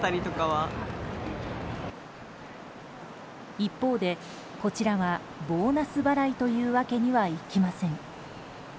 一方で、こちらはボーナス払いというわけにはいきません。